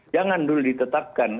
jangan dulu ditetapkan